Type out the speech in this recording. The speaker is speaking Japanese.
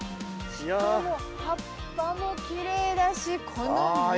しかも葉っぱもきれいだしこの実が。